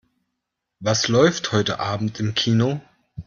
Was läuft heute Abend im Kino?